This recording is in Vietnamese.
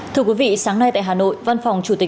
thưa quý vị sáng nay tại hà nội